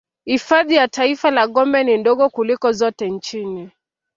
Hifadhi ya Taifa ya Gombe ni ndogo kuliko zote nchini